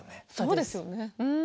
そうですよね。